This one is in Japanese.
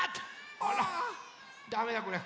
あらだめだこりゃ。